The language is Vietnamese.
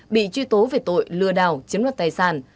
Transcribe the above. bị truy tố về tội lừa đảo chiếm đoạt tài sản